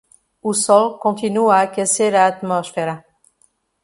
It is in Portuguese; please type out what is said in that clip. O sol continua a aquecer a atmosfera.